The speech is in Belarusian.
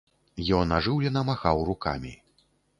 Ён ажыўлена махаў рукамі.